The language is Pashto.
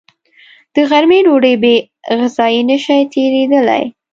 د غرمې ډوډۍ بېغذايي نشي تېرېدلی